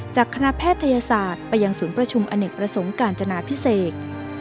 จากคณะแพทยศาสตร์ไปยังศูนย์ประชุมอเนกประสงค์การจนาพิเศษ